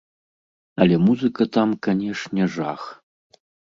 Але музыка там, канешне, жах.